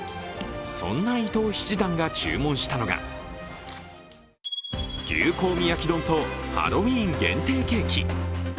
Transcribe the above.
そんな伊藤七段が注文したのが牛香味焼丼とハロウィーン限定ケーキ。